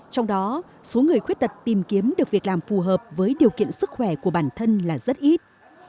trong đó số người khuyết tật tìm kiếm được việc làm phù hợp với điều kiện sức khỏe của bản thân là rất ít